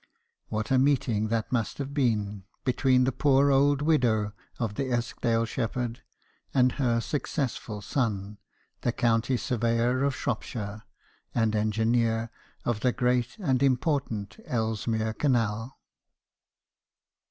What a meeting that must have been, between the poor old widow of the Eskdale shepherd, and her suc cessful son, the county surveyor of Shropshire, and engineer of the great and important Elles mere Canal